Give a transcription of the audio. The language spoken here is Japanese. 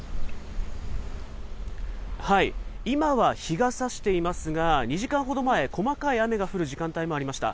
今は日がさしていますが、２時間ほど前、細かい雨が降る時間帯もありました。